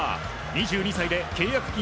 ２２歳で契約金